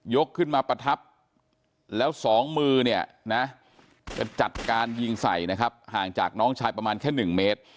ขึ้นมาประทับแล้วสองมือเนี่ยนะจะจัดการยิงใส่นะครับห่างจากน้องชายประมาณแค่๑เมตร